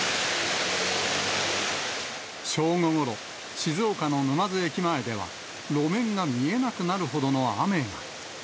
正午ごろ、静岡の沼津駅前では、路面が見えなくなるほどの雨が。